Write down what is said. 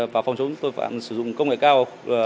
và phòng chống tội phạm sử dụng công nghệ cao